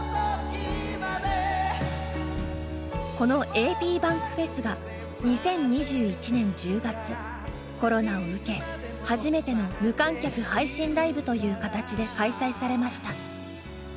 このａｐｂａｎｋｆｅｓが２０２１年１０月コロナを受け初めての無観客配信ライブという形で開催されました。